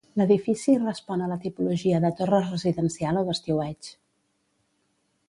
L'edifici respon a la tipologia de torre residencial o d'estiueig.